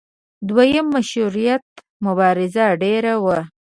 دویم مشروطیت مبارزه ډېره وه.